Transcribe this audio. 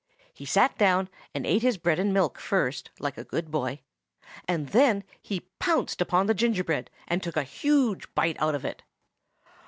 He sat down, and ate his bread and milk first, like a good boy; and then he pounced upon the gingerbread, and took a huge bite out of it.